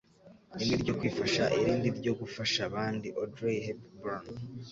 rimwe ryo kwifasha, irindi ryo gufasha abandi.” —Audrey Hepburn